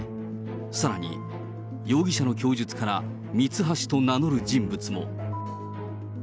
さらに、容疑者の供述から、ミツハシと名乗る人物も。